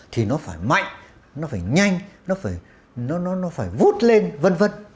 thì nó phải mạnh nó phải nhanh nó phải vút lên vân vân